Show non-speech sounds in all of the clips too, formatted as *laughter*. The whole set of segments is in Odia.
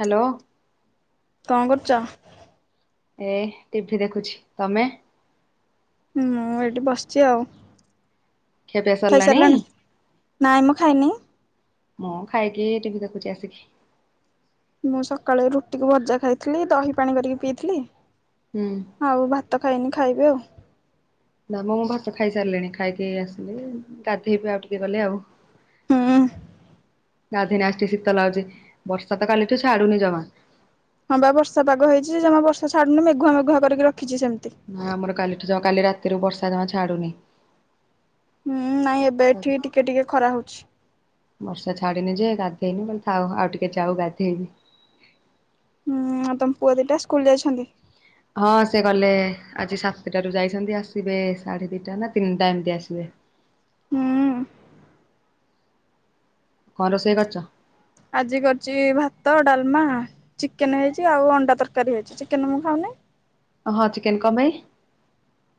ହାଲୋ, କଣ କରୁଚ? ଏଇ ଟିଭିି ଦେଖୁଛି, ତମେ? ମୁଁ ଏଇଠି ବସିଛି ଆଉ ଖିଆପିଆ ସରିଲାଣି ଖାଇସାରିଲଣି? ନାଇଁ ମୁଁ ଖାଇନି। ମୁଁ ଖାଇକି ଟିଭି ଦେଖୁଚି ଆସିକି। ମୁଁ ସକାଳେ ରୁଟିକୁ ଭଜା ଖାଇଥିଲି, ଦହି ପାଣି କରିକି ପିଇଥିଲି। ହୁଁ ଆଉ ଭାତ ଖାଇନି, ଖାଇବି ଆଉ। ନା ମ ମୁଁ ଭାତ ଖାଇ ସାରିଲିଣି ।ଖାଇକି ଏଇ ଆସିଲି, ଗାଧେଇବି ଆଉ ଟିକେ ଗଲେ ଆଉ। ହୁଁ। ଗାଧେଇନି ଆଜି ଟିକେ ଶୀତ ଲାଗୁଚି। ବର୍ଷା ତ କାଲିଠୁ ଛାଡ଼ୁନି ଜମା। ହଁ ବା ବର୍ଷା ପାଗ ହେଇଛି ଯେ- ଜମା ବର୍ଷା ଛାଡୁନି, ମେଘୁଆ ମେଘୁଆ କରିକି ରଖ ନା ଆମର କାଲିଠୁ ଜମା, କାଲି ରାତିରୁ ବର୍ଷା ଜମା ଛାଡୁନି। ହୁଁ, ନାଇଁ ଏବେ ଏଠି ଟିକେ ଟିକେ ଖରା ହଉଛି। ବର୍ଷା ଛାଡିନି ଯେ ଗାଧେଇନି। କହିଲି ଥାଉ ଆଉ ଟିକେ ଯାଉ ଗାଧେଇବି। ହୁଁ ଆଉ ତମ ପୁଅ ଦିଟା ସ୍କୁଲ ଯାଇଛନ୍ତି? ହଁ, ସେ ଗଲେ ଆଜି ସାତଟାରୁ ଯାଇଛନ୍ତି, ଆସିବେ ସାଢେ ଦିଟା ନା ତିନିଟା ଏମତି ଆସିବେ। ହୁଁ। କଣ ରୋଷେଇ କରିଚ? ଆଜି କରିଚି ଭାତ, ଡାଲମା, ଚିକେନ ହେଇଛି ଆଉ ଅଣ୍ଡା ତରକାରୀ ହେଇଛି। ଚିକେନ ମୁଁ ଖାଉନି *inaudible* ହଁ ଚିକେନ କମ୍ପାଇ?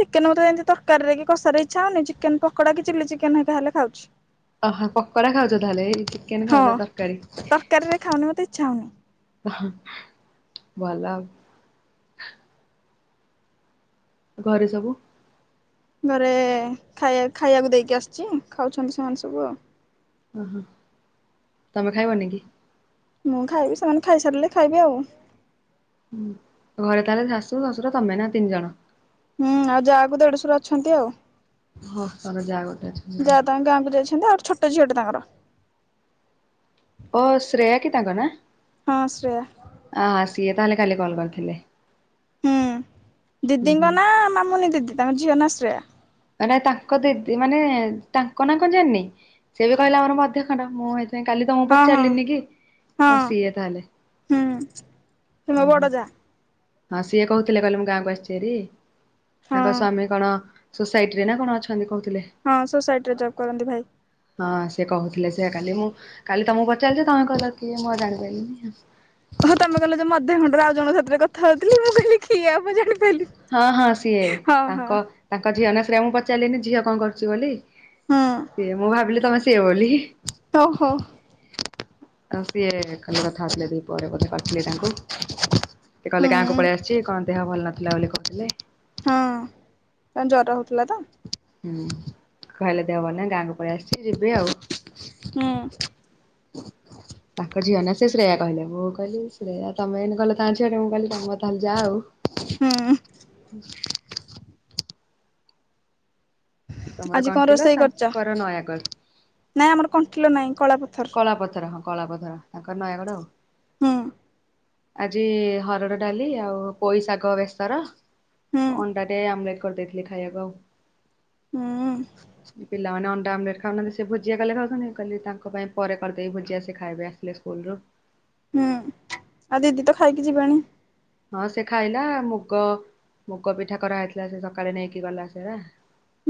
ଚିକେନ ମତେ ଏମିତି ତରକାରୀରେ କି କଷାରେ ଇଛା ହଉନି। ଚିକେନ ପକୋଡା କି ଚିଲି ଚିକେନ ହେରିକା ହେଲେ ଖାଉଛି। ଅହ ପକଡ଼ା ଖାଉଛ ତାହଲେ, ଚିକେନ ଖାଉନ ତରକାରୀ। ମୋତେ ଇଛା ହଉନି। ଅ ଭଲ ଆଉ। ଘରେ ସବୁ ଘରେ ଖାଇ ଖାଇବାକୁ ଦେଇକି ଆସିଛି, ଖାଉଛନ୍ତି ସେମାନେ ସବୁ ଆଉ। ଓହୋ, ତମେ ଖାଇବନି କି? ମୁଁ ଖାଇବି, ସେମାନେ ଖାଇସାରିଲେ ଖାଇବି ଆଉ ଘରେ ତାହେଲେ ଶାଶୁ ଶ୍ୱଶୁର ତମେ ନା ତିନି ଜଣ? ହୁଁ ଆଉ ଯାହାକୁ ଦେଢଶର ଅଛନ୍ତି ଆଉ ହଁ ତର ଜାଗାଗଟା ଯା *unintelligible* ତାଙ୍କ ଗାଁକୁ ଯାଇଛନ୍ତି ଆଉ ଛୋଟ ଝିଅଟେ ତାଙ୍କର ଓ ଶ୍ରେୟା କି ତାଙ୍କ ନା ହଁ ଶ୍ରେୟା । ଆ ସିଏ ତାହେଲେ କାଲି କଲ୍ କରିଥିଲେ । ହୁଁ, ଦିଦିଙ୍କ ନା -ମାମୁନି ଦିଦି, ତାଙ୍କ ଝିଅ ନା ଶ୍ରେୟା। ମ *unintelligible* ତାଙ୍କ ଦିଦି ମାନେ ତାଙ୍କ ନାଁ କଣ ଜାଣିନି, ସେ ବି କହିଲା ଆମର ମଧ୍ୟ ଖଣ୍ଡ ମୁଁ କାଲି ତମକୁ ହଁ ହଁ ପଚାରିଲିନି କି -ଆଉ ହଁ ସିଏ ତାହେଲେ । ତମ ବଡ ଯା ହଁ ସିଏ କହୁଥିଲେ କହିଲେ ମୁଁ ଗାଁକୁ ଆସିଛି ହାରି ତାଙ୍କ ହଁ। ସ୍ଵାମୀ କଣ? ସୋସାଇଟି ରେ ନା କଣ ଅଛନ୍ତି, କ ହଁ ସୋସାଇଟି ରେ ଜବ୍ କରନ୍ତି ଭାଇ। ହଁ ସେ କହୁଥିଲେ, ସେଇଆ କାଲି, ମୁଁ କାଲି ତମକୁ ପଚାରିଲି, ତମେ କହିଲ କିଏ ମୁଁ ଆ ଜାଣି ପାରଲିିନି ହଁ ତମେ କହିଲ ଯୋଉ ମଧ୍ୟଖଣ୍ଡର, ଆଉ ଜଣଙ୍କ ସାଥିରେ କଥା ହଉଥିଲି, ମୁଁ କହିଲି କିଏ ଆଉ ମୁଁ ଜାଣି ହଁ ହଁ ସିଏ ତାଙ୍କ ତାଙ୍କ ଝିଅ ନା ଶ୍ରେୟା ମୁଁ ପଚାରିଲିନି ଝିଅ କଣ କରୁଛି ବୋଲି? ହୁଁ ସିଏ ମୁଁ ଭାବିଲି ତମେ ସିଏ ବୋଲି ହିଁ। ଓହୋ। ଆଉ ସିଏ ଖାଲି କଥା ହଉଥିଲେ ଦିପ୍ରହରେ କଥା ହଉଥିଲେ ତାଙ୍କୁ। ସେ କହିଲେ ଗାଁକୁ ହୁଁ। ପଳେଇ ଆସିଛି କଣ ଦେହ ଭଲ ନଥିଲା ବୋଲି କହୁଥିଲେ। ହଁ କଣ ଜର ହଉଥିଲା ପା ହୁଁ କହିଲେ ଦେହ ଭଲ ନାଇ ଗାଁକୁ ପଳେଇ ଆସିଛି ଯିବି ଆଉ। ହଁ। ତାଙ୍କ ଝିଅ ନା ସେ ଶ୍ରେୟା କହିଲେ ମୁଁ କହିଲି ଶ୍ରେୟା ତମେ ଏଇନେ କହିଲ ତା ଝିଅଟେ ମୁଁ କହିଲି ତମେ ତାହେ ଯାଆ ଆଉ। ହୁଁ ହ ତମର ଆଜି କଣ କଣ୍ଟିଲ ରୋଷେଇ କରିଛ ତାଙ୍କର ନୟାଗଡ଼। ନାଇଁ ଆମର କଣ୍ଟିଲୋ ନାଇଁ। କଳାପଥର ହଁ କଳାପଥର ତାଙ୍କର ନୟାଗଡ ଆଉ। ହୁଁ ଆଜି ହରଡ଼ ଡାଲି ଆଉ ପୋଇ ଶାଗ ବେସର ହୁଁ ଅଣ୍ଡା ଟେ ଆମ୍ୱ କରିଦେଇ ଥିଲି ଖାଇବାକୁ ଆଉ ହୁଁ ପିଲାମାନେ ଅଣ୍ଡା ଅଣ୍ଡା ଆମଲେଟ୍ ଖାଉନାହାନ୍ତି ସେ ଭୁଜିଆ କଲେ ଖାଉଛନ୍ତି ମୁଁ କହିଲି ତାଙ୍କ ପାଇଁ ପରେ କରିଦେବି ଭୂଜିଆ ସେ ଖାଇବା ଆସିଲେ ସ୍କୁଲ ରୁ। ହୁଁ ଆଉ ଦିଦି ତ ଖାଇକି ଯିବେଣି? ହଁ ସେ ଖାଇଲା ମୁଗ ମୁଗ ପିଠା କରାହେଇଥିଲା ସେ ସକାଳେ ନେଇକି ଗଲା ସେରା।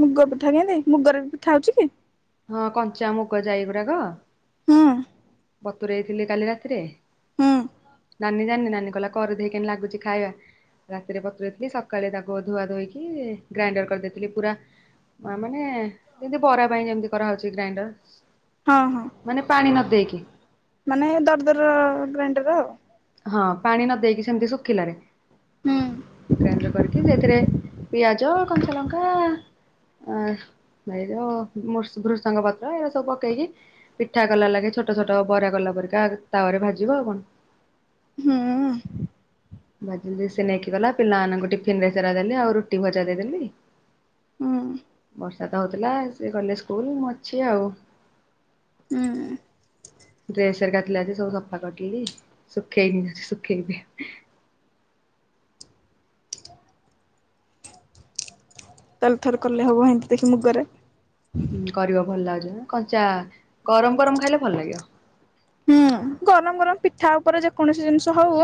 ମୁଗ ପିଠା କେମତି ମୁଗରେ ବି ପିଠା ହଉଛି କି? ହଁ କଞ୍ଚାମୁଗ ଯାଇଗୁଡାକ ହୁଁ ବତୁରେଇଥିଲି କାଲି ରାତିରେ। ହୁଁ ନାନୀ ଜାନି ନାନୀ କହିଲା କରିଦେଇ କେମତି ଲାଗୁଛି ଖାଇବା? ରାତିରେ ବତୁରେଇ ଥିଲି ସକାଳେ ତାକୁ ଧୁଆ ଧୋଇକି ଗ୍ରାଇଣ୍ଡର କରିଦେଇଥିଲି ପୁରା। ମା ମାନେ ଯେମିତି ବରା ପାଇଁ ଯେମିତି କରାହଉଛି ଗ୍ରାଇଣ୍ଡର ହଁ ହଁ। ମାନେ ପାଣି ନ ଦେଇକି? ମାନେ ଦର ଦର ଗ୍ରାଇଣ୍ଡର ଆଉ। ହଁ ପାଣି ନ ଦେଇକି ସେମିତି ଶୁଖିଲାରେ ହୁଁ ଗ୍ରାଇଣ୍ଡର କରିକି ସେଇଥିରେ- ପିଆଜ କଞ୍ଚା ଲଙ୍କା ଆ ବାଇ ର ମୃ ଭୃସଙ୍ଗ ପତ୍ର ଏରା ସବୁ ପକେଇକି ପିଠା କଲା ଲାଗେ ଛୋଟ ଛୋଟ ବରା କଲା ପରିକା ତାୱା ରେ ଭାଜିବ ଆଉ କଣ? ହୁଁ। ଭାଜିଲେ ସେ ନେଇକି ଗଲା ପିଲାମାନଙ୍କୁ ଟିଫିନ ରେ ସେରା ଦେଲି ଆଉ ରୁଟି ଭଜା ଦେଇଦେଲି। ହୁଁ। ବର୍ଷା ତ ହଉଥିଲା ସେ ଗଲେ ସ୍କୁଲ ମୁଁ ଅଛି ଆଉ। ହୁଁ। ଡ୍ରେସ ହେରିକା ଥିଲା ଯେ ସବୁ ସଫା କରିଦେଲି ଶୁଖେଇନି ସୁଖେଇବି। ତାଲଥରେ କଲେ ହବ ହେମିନ୍ତି ଦେଖି ମୁଗରେ। ହୁଁ କରିବ ଭଲ ଲାଗୁଛି କଞ୍ଚା ଗରମ ଗରମ ଖାଇଲେ ଭଲ ଲାଗିବ। ହୁଁ ଗରମ ଗରମ ପିଠା ଉପରେ ଯେକୌଣସି ଜିନିଷ ହଉ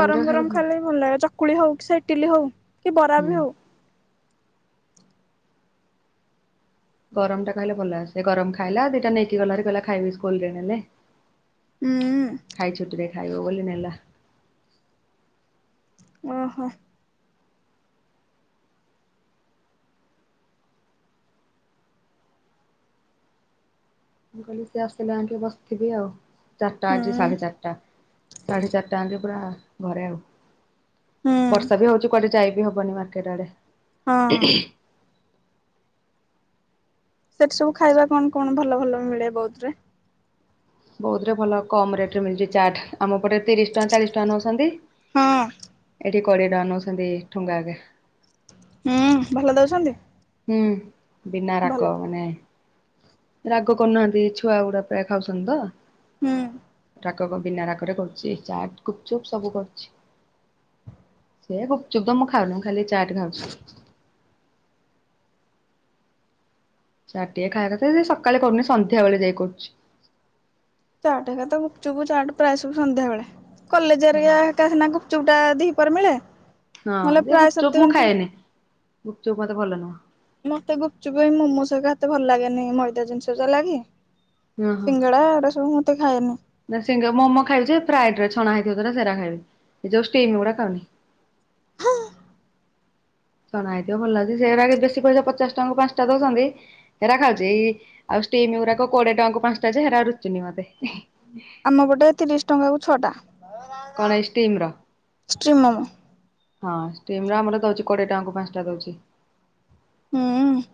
ଗରମ ଗରମ ଖାଇଲେ ବି ଭଲ ଲାଗେ ଚକୁଳି ହଉ କି ସେ ଇଟିଲି ହଉ କି ବରା ହୁଁ। ବି ହଉ। ଗରମ ଟା କହିଲେ ଭଲ ସେ ଗରମ ଖାଇଲା ଦିଟା ନେଇକି ଗଲା ହେରି କହିଲା ଖାଇବି ସ୍କୁଲରେ ନେଲେ। ହୁଁ। ଖାଇ ଛୁଟିରେ ଖାଇବ ବୋଲି ନେଲା। ଓହୋ। ମୁଁ କହିଲି ସେ ଆସିଲା ଆଙ୍କେ ବସିଥିବି ଆଉ। ଚାରିଟା ହୁଁ ଆଜି ସାଢ଼େ ଚାରିଟା ସାଢ଼େ ଚାରିଟା ଯାଙ୍କେ ପୁରା ଘରେ ଆଉ। ହୁଁ ବର୍ଷା ବି ହଉଛି କୁଆଡେ ଯାଇବି ହବନି ମାର୍କେଟ ଆଡେ। ହଁ। ସେଠି ସବୁ ଖାଇବା କଣ କଣ ଭଲ ଭଲ ମିଳେ ବଉଦ୍ ରେ? ବଉଦୁ ରେ ଭଲ କମ୍ ରେଟ ରେ ମିଳୁଛି ଚାଟ୍ ଆମ ପଟେ ତିରିଶ ଟଙ୍କା ଚାଳିଶ ଟଙ୍କା ନେଉଛନ୍ତି। ଏ ହଁ ଏଠି କୋଡ଼ିଏ ଟଙ୍କା ନଉଛନ୍ତି ଠୁଙ୍ଗା କେ। ହୁଁ ଭଲ ଦଉଛନ୍ତି? ହୁଁ ବିନା ଭଲ ରାକ ମାନେ ରାଗ କରୁନାହାନ୍ତି ଛୁଆ ଗୁଡା ପ୍ରାୟ ଖାଉଛନ୍ତି ତ। ହୁଁ। ରାଗକ ବିନା ରାଗରେ କରୁଚି ଚାଟ, ଗୁପଚୁପ ସବୁ କରୁଛି। ସେ ଗୁପଚୁପ ତ ମୁଁ ଖାଉନି ମୁଁ ଖାଲି ଚାଟ ଖାଉଛି। ଚାଟ୍ ଟିଏ ଖାଇବା କଥା ସକାଳେ କରୁନି ସନ୍ଧ୍ୟା ବେଳେ ଯାଇ କରୁଛି। ଚାଟ ଏକା ତ ଗୁପଚୁପୁ ଚାଟ ପ୍ରାୟ ସବୁ ସନ୍ଧ୍ୟା ବେଳେ। କଲେଜରେ ହଁ ହେନା ଗୁପ ଗୁପଚୁପ ଟା ଦି ପହରେ ମିଳେ। ହଁ ନହେଲେ ଯେ ପ୍ରାୟ ସବୁ ତ ଗୁପଚୁପ୍ ମୁଁ ଏମିତି ଖାଏନି। ଗୁପଚୁପ୍ ମତେ ଭଲ ନୁହଁ। ମତେ ଗୁପଚୁପ ଏ ମୋମୋ ସ ହେରିକା ଏତେ ଭଲ ଲାଗେନି ମଇଦା ଜିନିଷ ସେ ଲାଗି ସିଙ୍ଗଡା ଏଗୁଡା ସବୁ ମୁଁ ଏତେ ଖାଏନି। ସିଂଙ୍ଗ ମୋମୋ ଖାଇଲେ ଯେ ଫ୍ରାଇଡରେ ଛଣା ହେଇଥିବ ତ ସେରା ଖାଇବି। ଏ ଯଉ ଷ୍ଟିମ୍ ଗୁଡା ଖାଉନି। ହ। ଛଣା ହେଇତିବ ଭଲ ଲାଗୁଛି ସେରା ବେଶୀ ପଇସା ପଚାଶ ଟଙ୍କାକୁ ପାଞ୍ଚଟା ଦଉଛନ୍ତି ସେଇରା ଖାଉଛି ଇ-ଇ ଆଉ ଷ୍ଟିମ୍ ଗୁରାକ କୋଡିଏ ଟଙ୍କାଙ୍କୁ ପାଞ୍ଚଟା ଯେ ସେଗୁରାକ ରୁଚୁନି ମତେ। ଆମ ପଟେ ତିରିଶ ଟଙ୍କାକୁ ଛଅ ଟା। କଣ ଏଇ ଷ୍ଟିମ୍ ର *unintelligible* ଷ୍ଟିମ ମୋମୋ। ହଁ ଷ୍ଟିମ୍ ର ଆମର ଦଉଛି କୋଡିଏ ଟଙ୍କାକୁ ପାଞ୍ଚଟା ଦଉଛି। ହୁଁ।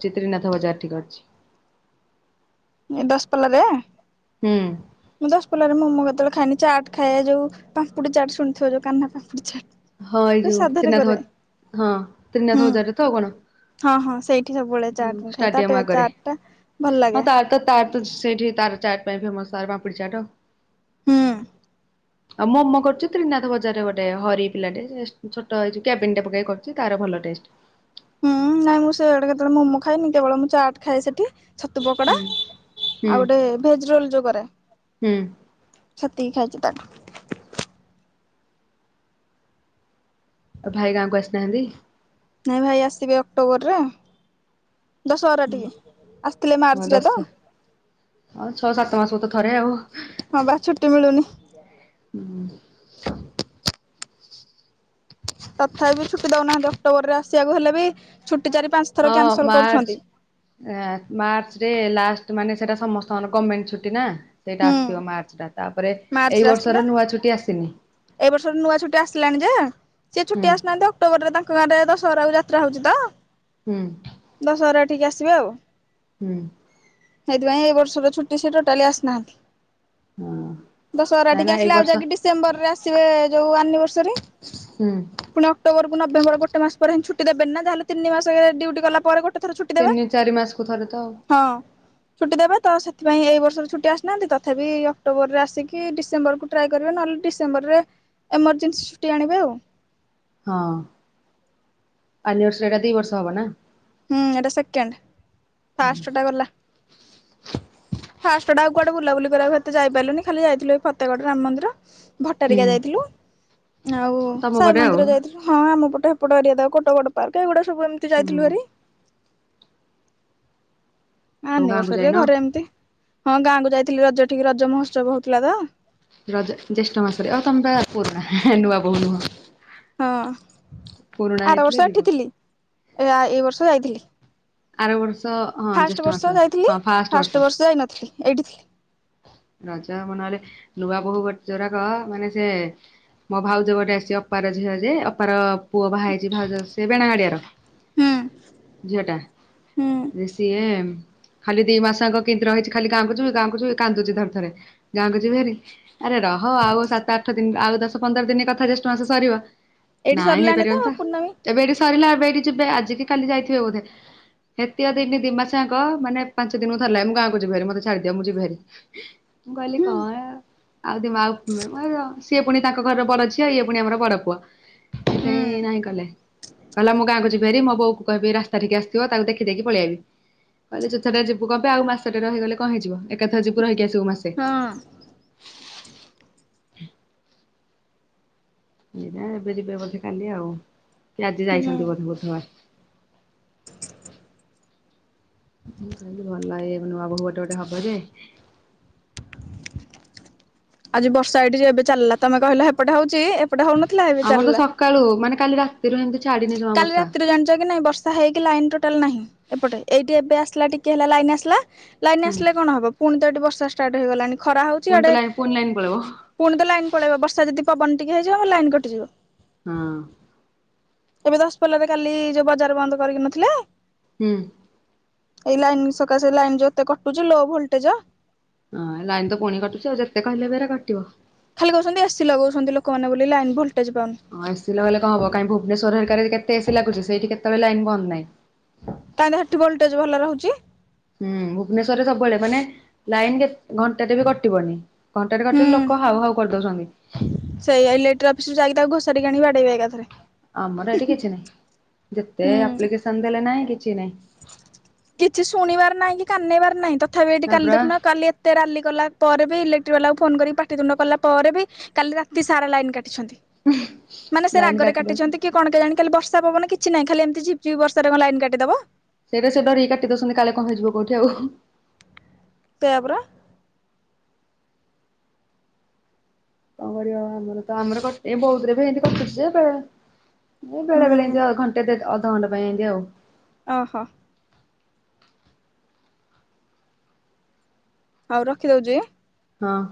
ଚିତ୍ରିନାଥ ବଜାର ଠିକ ଅଛି। ଏ ଦଶପଲାରେ, ଦଶପଲାରେ ମୋମୋ କେତେବେଳେ ଖାନି ଚାଟ୍ ଖାଇବା ଯଉଁ ପାମ୍ପୁଡ଼ି ଚାଟ୍ ଶୁଣିଥିବ ଯଉ କାନ୍ନା ପମ୍ପୁଡ଼ି ଚାଟ୍। ହଁ ଏଇ ଯୋଉ ସାଧାରେ ତ୍ରିନାଥ, କରେ ହଁ ହୁଁ ତ୍ରିନାଥ ବଜାରରେ ତ କଣ। ହଁ ହଁ ସେଇଠି ସବୁବେଳେ ଚାଟ ମୁଁ ଖାଏ। ତା ଷ୍ଟାଡିୟମ ଟେ ଆଗରେ। ଚାଟ ଟା ଭଲ ହଁ ଲାଗେ। ତାର ତ ତାର ତ ସେଇଠି ତାର ଚାଟ ପାଇଁ ଫେମସ, ତାର ପାମ୍ପୁଡି ଚାଟ। ହୁଁ। ଆଉ ମୋମୋ କରୁଛି ତ୍ରିନାଥ ବଜାରରେ ଗୋଟେ ହରିଫ ପିଲାଟେ ଏ ଛୋଟ ଏଜେ କ୍ୟାବିନଟେ ପକେଇ କରୁଛି ତାର ଭଲ ଟେଷ୍ଟ। ହୁଁ ନାଇଁ ମୁଁ ସେଆଡେ କେତେବେଳେ ମୋମୋ ଖାଏନି, କେବଳ ମୁଁ ଚାଟ୍ ଖାଏ ସେଠି। ଛତୁ ପକୋଡ଼ା ହୁଁ ଆଉ ହୁଁ। ଗୋଟେ ଭେଜ ରୋଲ ଯୋ କରେ। ହୁଁ ସେତିକି ଖାଇଛି ତାଠୁ। ଆଉ ଭାଇ ଗାଁ କୁ ଆସିନାହାନ୍ତି? ନାଇଁ ଭାଇ ଆସିବେ ଅକ୍ଟୋବରରେ। ଦଶ ବାର ଟିକେ ଆସିଥିଲେ ହଁ ମାର୍ଚ୍ଚ ରେ ଦଶ ତ। ହଁ ଛଅ ସାତ ମାସକୁ ତ ଥରେ ଆଉ। ହଁ ବା ଛୁଟି ମିଳୁନି। ହୁଁ। ତଥାବି ଛୁଟି ଦଉନାହାନ୍ତି ଅକ୍ଟୋବର ରେ ଆସିବାକୁ ହେଲେ ବି ଛୁଟି ଚାରି ପାଞ୍ଚ ଥର ହଁ କ୍ୟାନସଲ ମାର୍ଚ୍ଚ, କରୁଛନ୍ତି ଅ-ଅ ମାର୍ଚ୍ଚ ରେ ଲାଷ୍ଟ ତ ମାନେ ସେଟା ସମସ୍ତଙ୍କର ଗଭର୍ଣ୍ଣେଣ୍ଟ ଛୁଟି ନା। ସେଇଟା ହୁଁ। ଆସିଥିବ ମାର୍ଚ୍ଚ ଟା ତାପରେ ମାର୍ଚ୍ଚରେ ଏଇ ଆସିଥିଲା ବର୍ଷର ନୂଆ ଛୁଟି ଆସିନି। ଏଇ ବର୍ଷର ନୂଆ ଛୁଟି ଆସିଲାଣି ଯେ, ସୀଏ ହୁଁ ଛୁଟି ଆସିନାହାନ୍ତି ଅକ୍ଟୋବର ରେ ତାଙ୍କ ଗାଁରେ ଦ ଶହରା ଯାତ୍ରା ହଉଛି ତ ହୁଁ। ଏଠିକେ ଆସିବେ ଆଉ। ହୁଁ। ସେଇଥିପାଇଁ ଏଇ ବର୍ଷର ଛୁଟି ସେ ଟୋଟାଲି ଆସିନାହାନ୍ତି। ହଁ ଦଶହରା ନାଇଁ ଟିକେ ନା ଏଇ ଆସିଲେ ଆଉ ବର୍ଷ ଯାଇକି ଡିସେମ୍ବର ରେ ଆସି ଆସିବେ ଯୋଉ ଆନିଭର୍ସରୀ ହୁଁ ପୁଣି ଅକ୍ଟୋବରକୁ ନଭେମ୍ବର ଗୋଟେ ମାସ ପରେ ହଁ ଛୁଟ ଛୁ ଦେବେନି ନା ଯାହେଲେ ତିନି ମାସରେ ଡ୍ୟୁଟି କଲା ପରେ ଗୋଟେ ଥର ଛୁଟି ଦେବା ତିନି ଚାରି ମାସକୁ ଥରେ ତ ଆଉ ହଁ। ଛୁଟି ଦେବେ ତ ସେଥିପାଇଁ ଏଇ ବର୍ଷର ଛୁଟି ଆସିନାହାନ୍ତି ତଥାପି ଅକ୍ଟୋବରରେ ଆସିକି ଡିସେମ୍ବରକୁ ଟ୍ରାଏ କରିବେ ନହେଲେ। ସେମ୍ବରରେ ଏମର୍ଜେନ୍ସି ଛୁଟି ଆଣିବେ ଆଉ। ହଁ ଆନିବର୍ସ ବର୍ଷ ଏଟା ଦି ବର୍ଷ ହବ ନା? ହୁଁ ଏଟା ସେକେଣ୍ଡ ଫାଷ୍ଟ ଟା ଗଲା ଫାଷ୍ଟଟ ଟା ଆଉ କୁଆଡେ ବୁଲାବୁଲି କରିବାକୁ ହେତେ ଯାଇାରିଲୁନି ଖାଲି ଯାଇଥିଲୁ ଏଇ ଫତେଗଡ ରାମ ମନ୍ଦୀର। ହୁଁ ଭଟାରିକା ଯାଇଥିଲୁ ଆଉ ତମ ସାଇ ପଟେ ଆଉ ମନ୍ଦିର ଯାଇଥିଲୁ ହଁ ଆମ ପଟ ହେପଟ ଏରିଆ ଟା କୋଟଗଡ ପାର୍କ ଏଗୁଡ଼ା ସବୁ ଏମତି ହୁଁ ଯାଇଥିଲୁ ଭାରି। ତମ ଗାଁକୁ ଆନିଭରସରିରେ ଯାଇନ? ଘରେ ଏମିତି ହଁ ଗାଁକୁ ଯାଇଥିଲି ରଜ ଠିକ ରଜ ମହୋତ୍ସବ ହଉଥିଲା ତ। ରଜ ଜ୍ୟେଷ୍ଠ ମାସରେ ଓହ ତମେ ପା ପୁରୁଣା ହେ ହେ ନୂଆ ବୋହୁ ନୁହଁ। ହଁ ପୁରୁଣା ଆର ହେଇଥିଲେ ବର୍ଷ ଯିବ। ଏଠି ଥିଲି ଏ ଆ ଏଇ ବର୍ଷ ଯାଇଥିଲି। ଆର ବର୍ଷ ହଁ ଫାଷ୍ଟ ଜେଷ୍ଟ ବର୍ଷ ମାସ ଯାଇଥିଲି ହଁ ଫାଷ୍ଟ ବର୍ଷ। ଯାଇନଥିଲି ଏଇଠି ଥିଲି ରଜ ହବ ନହଲେ ନୂଆ ବହୂ ଗୋ ଯୋଉରାକ ମାନେ ସେ ମୋ ଭାଉଜ ଗୋଟେ ଆସିଚି ଅପାର ଝିଅ ଯେ ଅପାର ପୁଅ ବାହା ହେଇଛି ଭାଉଜ ସେ ବେଣା ଗାଡିଆର। ହୁଁ ଝିଅ ଟା ହୁଁ ଜେ ସିଏ ଖାଲି ଦି ମାସଆଙ୍କ କେମିତି ରହିଛି ଖଲି ଗାଁକୁ ଯିବି ଗଁକୁ ଯିବି କାନ୍ଦୁଚି ଥରେ ଥରେ ଗାଁକୁ ଯିବି ହାରି ଆରେ ରହ ଆଉ ସାତ ଆଠ ଦିନ ଆଉ ଦଶ ପନ୍ଦର ଦିନ କଥା ଠ ମାସ ସରିବ ଏଇଠି ନାଇଁ ସରିଲାଣି ହେଇପାରିବନି ତ ପୂର୍ଣ୍ଣମୀ ଏବେ ଏଇଟି ସରିଲା ଏବେ ଏଇଠି ଯିବେ ଆଜିିକି କାଲି ଯାଇଥିବେ ବୋଧେ। ହେତତିଆ ଦିମାସଆଙ୍କ ମାନେ ପାଞ୍ଚଦିନକୁ ଥରେଲାଖେ ମୁଁ ଗାଁକୁ ଯିଵିହାରୀ ମତେ ଛାଡିଦିଅ ମୁଁ ଯିଵିହାରୀ। ହଁ ମୁଁ କହିଲି କଅଣ। ଆଉ ଦି ମା ଉ ମା ସିଏ ପୁଣି ତାଙ୍କ ଘରର ବଡ ଝିଅ ଇଏ ପୁଣି ଆମର ବଡ ପୁଅ ହୁଁ ସେଇ ନାହିଁ କଲେ କହିଲା ମୁଁ ଗାଁକୁ ଯିବି। ରି ମୋ ବୋଉ କହିବି ରାସ୍ତା ଠିକି ଆସିଥିବ ତାକୁ ଦେଖିଦେଇକି ପଳେଇଆଇବି। କହିଲେ ଯୁ ଥରେ ଯିବୁ କଂପେ ଆଉ ମାସଟେ ରହିଗଲେ କଣ ହେଇଯିବ ଏକାଥ ରହିକି ଆସିବୁ ମାସେ। ହଁ ଏଇଟା ଏବେ ଯିବେ ବୋଧେ କାଲି ଆଉ ସେ ଆଜି ହୁଁ ଯାଇଛନ୍ତି ବୋଧେ ବୁଧବାର। କୁ ଭଲ ଲାଗେ ନୂଆ ବୋହୁୂ ଗୋଟେ ଗୋଟେ ହବ ଯେ ଆଜି ବର୍ଷା ଏଇଠି ଯେ ଏବେ ଚାଲିଲା ତମେ କହିଲ ହେପଟେ ହଉଛି ଏପଟେ ହଉନଥିଲା ଏବେ ଆମର ତ ଚାଲିଲା। ସକାଳୁ ମାନେ କାଲି ରାତିରୁ ଏମିତି ଛାଡିନି ଜମା କାଲି ବର୍ଷା ରାତିରୁ ଜାଣିଛ କି ନାଇଁ ବର୍ଷା ହେଇକି ଲାଇନ ଟୋଟାଲ ନାହିଁ ଏପଟେ ଏଇଟି ଏବେ ଆସ ଟିକେ ହେଲା ଲାଇନ୍ ଆସିଲା ଲାଇନ୍ ହୁଁ ଆସିଲେ କଣ ହବ ପୁଣି ତ ଏଇଠି ବର୍ଷା ଷ୍ଟାର୍ଟ ହେଇଗଲାଣି ଖରା ହଉଛି ପୁଣି ତ ଇଆଡେ ଲାଇନ ପୁଣି ଲାଇନ ପଳେଇବ ପୁଣି ତ ଲାଇନ ପଳେଇବ ବର୍ଷା ଯଦି ପବନ ଟିକେ ହେଇଯିବ ଲାଇନ କଟିଯିବ। ହଁ ଏବେ ଦଶ ପଲ୍ଲାରେ କାଲି ଯୋଉ ବଜାର ବନ୍ଦ କରିକି ନଥିଲା। ହୁଁ ଏଇ ଲାଇନ୍ ସକାଶେ ଲାଇନ ଯୋଉ ଏତେ କଟୁଛି ଲୋ ଭୋଲଟେଜ। ହଁ ଲାଇନ ତ ପୁଣି କଟୁଛି ଆଉ ଯେତେ କହିଲେ ବି ହେରା କଟିବ। ଖାଲି କହୁଛନ୍ତି ଏସି ଲଗଉଛନ୍ତି ଲୋକମାନେ ବୋଲି ଲାଇନ ଭୋଲଟେଜ ପାଉନି ହଁ ଏସି ଲଗେଇଲେ କଣ ହବ କାହିଁ ଭୁବନେଶ୍ଵର ହେରକାର କେତ ଏସି ଲାଗୁଛି ସେଇଠି କେତେବେଳେ ଲାଇନ୍ ବନ୍ଦ ନାହିଁ। କାହିଁ ତ ସେଠି ଭୋଲଟେଜ ଭଲ ରହୁଛି ହୁଁ ଭୁବନେଶ୍ଵରରେ ସବୁବେଳେ ମାନେ ଲାଇନ କେତେ ଘଣ୍ଟାଟେ ବି କଟିବନି। ଘଣ୍ଟାଟେ ହୁଁ କଟିଲେ ଲୋକ ହାଉ ହାଉ କରିଦଉସନ୍ତି। ଛଡେଇକି ଆଣିକି ବାଡେଇବେ ଏକାଥରେ। ଆମର ଏଠି କିଛି ନାହିଁ ଯେତେ ହୁଁ। ଆପ୍ଲିକେସନ ଦେଲେ ନାହିଁ କି। କିଛି ଶୁଣିବାର ନାହିଁ କି କାନେଇବାର ନାହିଁ ତଥାପି ଏଠି କାଲି ତାପରା ଦେଖୁନ କାଲି ଏତେ ରାଲି କଲା ପରେ ଇଲେକ୍ଟ୍ରିବାଲାକୁ ଫୋନ କରି ପାଠିତୁଣ୍ଡ କଲା ପରେ ବି, କାଲି ରାତି ସାରା ଲାଇନ କା *unintelligible* ମାନେ ସେ ଲାଇନ ରାଗରେ କାଟି ଦଉଛନ୍ତି। କାଟିଛନ୍ତି କି କଣ କେଜାଣି? ଖାଲି ବର୍ଷା ପବନ କିଛି ନାହିଁ, ଖାଲି ଏମତିି ଝିପି ଝିପି ବର୍ଷାରେ କଣ ଲାଇନ୍ କାଟିଦେବ? ସେଇଟା ସେ ଡରିକି କାଟି ଦେଉଛନ୍ତି କାଳେ କଣ ହେଇଯିବ କୋଉଠି ଆଉ--? ସେଇଆ ପରା। କଣ କରିବ ଆମର ତ, ଆମର ତ ବୋହୁତ ରେ ଭି ହେମତି କଟୁଛି ଯେ ବେଳେ ବେଳେ ହୁଁ ଏତି ଘଣ୍ଟେ ଅଧଘଣ୍ଟେ ପାଇଁ ଏମିତି ଆଉ ଅହ ଆଉ ରଖି ଦଉଛି, ଆଁ ହଁ ।